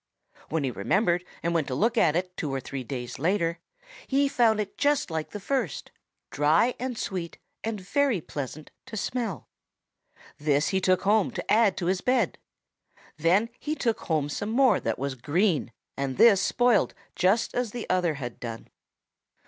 When he remembered and went to look at it two or three days later, he found it just like the first, dry and sweet and very pleasant to smell. This he took home to add to his bed. Then he took home some more that was green, and this spoiled just as the other had done.